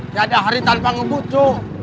tiada hari tanpa ngebut cu